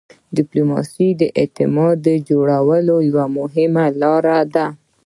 ډيپلوماسي د اعتماد جوړولو یوه مهمه لار ده.